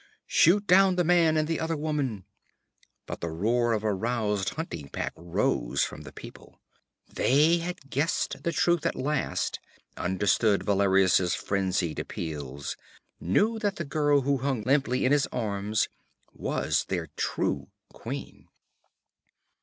'Shoot down the man and other woman!' But the roar of a roused hunting pack rose from the people; they had guessed the truth at last, understood Valerius's frenzied appeals, knew that the girl who hung limply in his arms was their true queen.